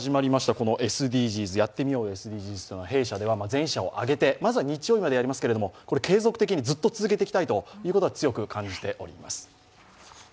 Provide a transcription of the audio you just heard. この「やってみようよ、ＳＤＧｓ」、弊社では全社を挙げてまずは日曜日までやりますけど継続的にずっと続けていきたいと強く感じております。